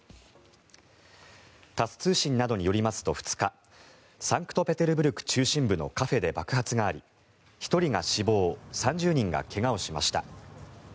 タス通信などによりますと２日サンクトペテルブルク中心部のカフェで爆発があり１人が死亡３０人が怪我をしました。